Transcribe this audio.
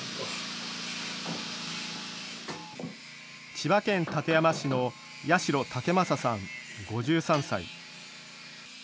千葉県館山市の八代健正さん、５３歳。